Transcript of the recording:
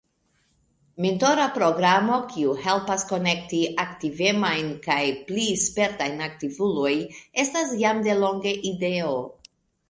Mentora programo, kio helpas konekti aktivemajn kaj pli spertajn aktivulojn estas jam delonge ideo.